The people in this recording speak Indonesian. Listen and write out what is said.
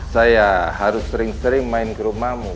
saya harus sering sering main ke rumahmu